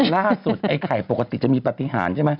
ไอ้ไข่ปกติจะมีปฏิหารใช่ไหม